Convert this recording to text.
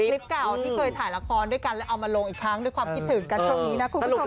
คลิปเก่าที่เคยถ่ายละครด้วยกันแล้วเอามาลงอีกครั้งด้วยความคิดถึงกันช่วงนี้นะคุณผู้ชม